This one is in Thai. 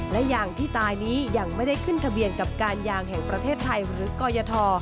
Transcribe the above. และยางที่ตายนี้ยังไม่ได้ขึ้นทะเบียนกับการยางแห่งประเทศไทยหรือกยท